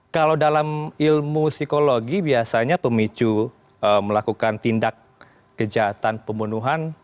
kalau dalam ilmu psikologi biasanya pemicu melakukan tindak kejahatan pembunuhan